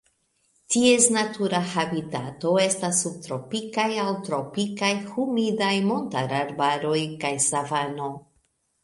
Ties natura habitato estas subtropikaj aŭ tropikaj humidaj montararbaroj kaj savano.